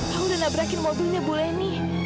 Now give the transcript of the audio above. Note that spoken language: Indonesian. aku udah nabrakin mobilnya bu lenny